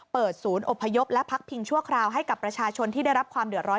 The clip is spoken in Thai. เปิดศูนย์อบพยพและพักพิงชั่วคราวให้กับประชาชนที่ได้รับความเดือดร้อน